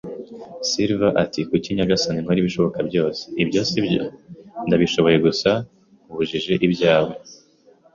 Silver ati: "Kuki, nyagasani, nkora ibishoboka byose, ibyo sibyo." “Ndabishoboye gusa, nkubajije ibyawe